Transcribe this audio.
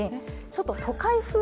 ちょっと都会風。